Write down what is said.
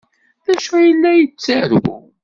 D acu ay la yettaru?